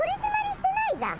してないじゃん。